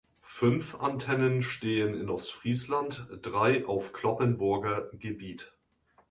Fünf Antennen stehen in Ostfriesland, drei auf Cloppenburger Gebiet.